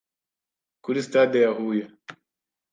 kuri Sitade ya Huye